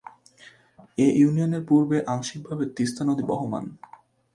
এ ইউনিয়নের পূর্বে আংশিকভাবে তিস্তা নদী বহমান।